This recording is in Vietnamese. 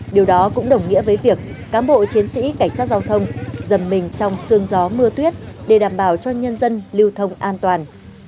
điều đó cũng đồng nghĩa với việc cám bộ chiến sĩ cảnh sát giao thông dầm mình trong sương gió mưa tuyết để đảm bảo cho nhân dân lưu thông an toàn